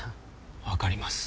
分かります。